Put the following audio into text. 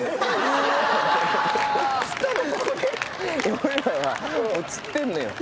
俺らはもう釣ってんのよ。